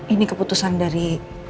ini keputusan dari